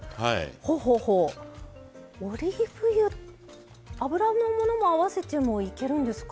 オリーブ油油のものも合わせてもいけるんですか？